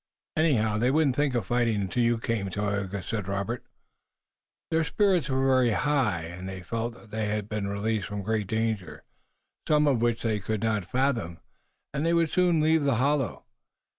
"Anyhow, they wouldn't think of fighting until you came, Tayoga," said Robert. Their spirits were very high. They felt that they had been released from great danger, some of which they could not fathom, and they would soon leave the hollow.